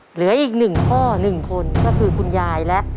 เหลืออีกหนึ่งพ่อหนึ่งคนก็คือคุณยายและ